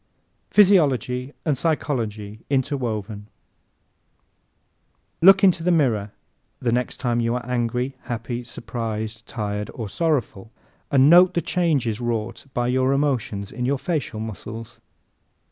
Physiology and Psychology Interwoven ¶ Look into the mirror the next time you are angry, happy, surprised, tired or sorrowful and note the changes wrought by your emotions in your facial muscles.